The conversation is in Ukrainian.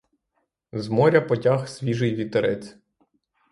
З моря потяг свіжий вітерець.